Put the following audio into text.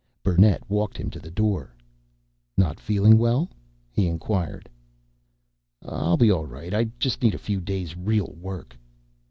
Burnett walked him to the door. "Not feeling well?" he inquired. "I'll be all right. I just need a few days real work."